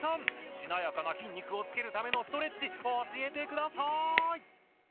しなやかな筋肉をつけるためのストレッチ教えてくださーい！